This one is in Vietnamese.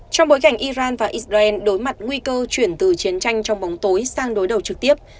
trong bối cảnh iran và israel đối mặt nguy cơ chuyển từ chiến tranh trong bóng tối sang đối đầu trực tiếp